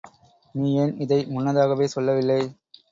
நீ ஏன் இதை முன்னதாகவே சொல்லவில்லை?